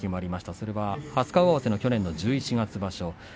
それが初顔合わせの去年十一月場所でした。